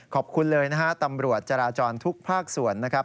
ขอบคุณเลยนะฮะตำรวจจราจรทุกภาคส่วนนะครับ